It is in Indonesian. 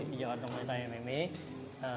di jakarta muay thai mma